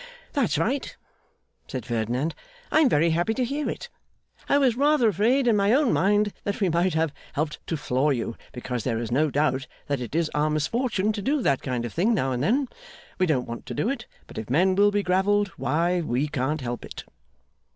'That's right,' said Ferdinand. 'I am very happy to hear it. I was rather afraid in my own mind that we might have helped to floor you, because there is no doubt that it is our misfortune to do that kind of thing now and then. We don't want to do it; but if men will be gravelled, why we can't help it.